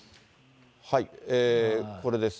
これですね。